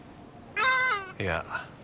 いや。